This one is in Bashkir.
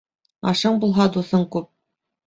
Ашың булһа, дуҫың күп.